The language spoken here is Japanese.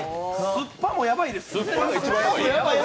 酸っぱもヤバいです。